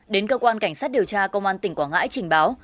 đến cơ quan cảnh sát điều tra công an tỉnh quảng ngãi trình báo